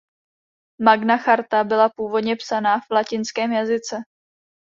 Magna charta byla původně psaná v latinském jazyce.